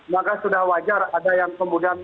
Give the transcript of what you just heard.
maka sudah wajar ada yang kemudian